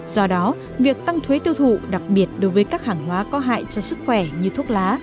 do đó việc tăng thuế tiêu thụ đặc biệt đối với các hàng hóa có hại cho sức khỏe như thuốc lá